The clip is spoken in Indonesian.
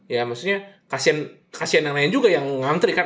ya maksudnya kasian yang lain juga yang ngantri kan